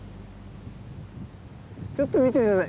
ちょっと見て下さい。